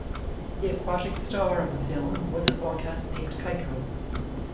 The aquatic star of the film was an orca named Keiko.